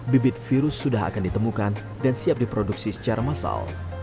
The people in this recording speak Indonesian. bibit virus sudah akan ditemukan dan siap diproduksi secara massal